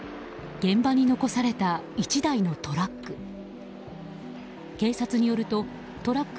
現場に残された１台のトラック。